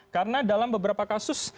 karena dalam beberapa kasus